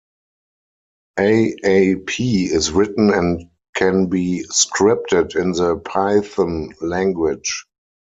A-A-P is written and can be scripted in the Python language.